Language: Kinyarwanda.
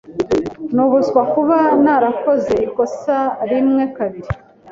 Nubuswa kuba narakoze ikosa rimwe kabiri.